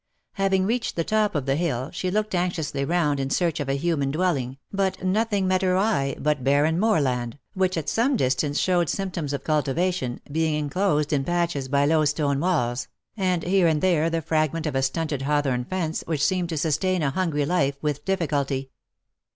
Having reached the top of the hill, she looked anxiously round in search of a human dwelling, but nothing met her eye, but barren moor land, which at some distance showed symptoms of cultivation, being enclosed in patches by low stone walls, and here and there the fragment of a stunted hawthorn fence, which seemed to sustain a hungry life with difficulty.